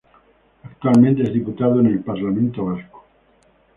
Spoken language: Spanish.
Actualmente es Diputado en el Parlamento Vasco.